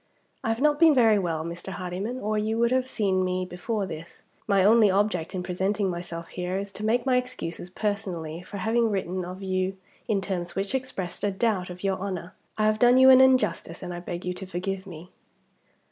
"I have not been very well, Mr. Hardyman, or you would have seen me before this. My only object in presenting myself here is to make my excuses personally for having written of you in terms which expressed a doubt of your honor. I have done you an injustice, and I beg you to forgive me."